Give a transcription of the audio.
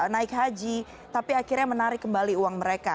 naik haji tapi akhirnya menarik kembali uang mereka